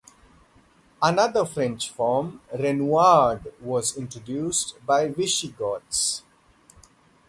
Another French form, "Renouard", was introduced by the Visigoths.